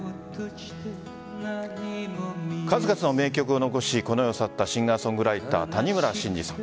数々の名曲を残しこの世を去ったシンガー・ソングライター谷村新司さん。